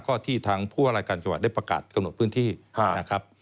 ก็ที่ทางผู้ว่ารายการจังหวัดได้ประกาศกำหนดพื้นที่นะครับ